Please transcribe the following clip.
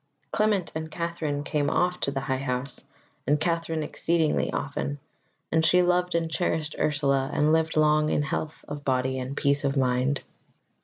Clement and Katherine came oft to the High House, and Katherine exceeding often; and she loved and cherished Ursula and lived long in health of body and peace of mind.